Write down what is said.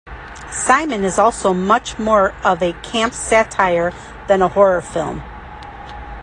"Simon" is also much more of a camp satire than a horror film.